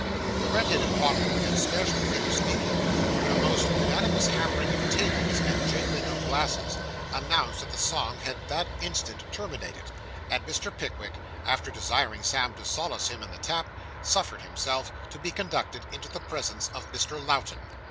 The red headed pot boy had scarcely finished speaking, when a most unanimous hammering of tables, and jingling of glasses, announced that the song had that instant terminated; and Mr. Pickwick, after desiring Sam to solace himself in the tap, suffered himself to be conducted into the presence of Mr. Lowten.